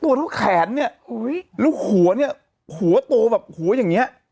ตัวเท่าแขนเนี่ยแล้วหัวเนี่ยหัวโตแบบหัวอย่างเงี้ย